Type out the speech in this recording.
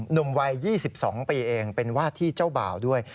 หนุ่มวัย๒๒ปีเองเป็นวาดที่เจ้าบ่าวด้วย